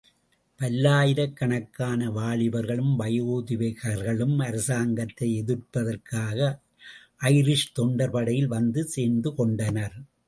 பல்லாயிரக்கணக்கான வாலிபர்களும் வயோதிகர்களும் அரசாங்கத்தை எதிர்ப்பதற்காக ஐரிஷ் தொண்டர் படையில் வந்து சேர்ந்துகொண்டனர்.